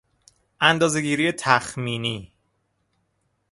اندازهگیری تخمینی